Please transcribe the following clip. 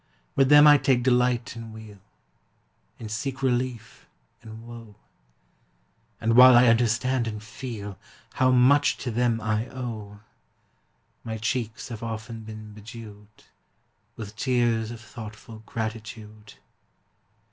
With them I take delight in weal And seek relief in woe; And while I understand and feel How much to them I owe, My cheeks have often been bedew'd With tears of thoughtful gratitude.